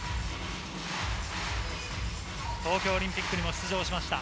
東京オリンピックにも出場しました。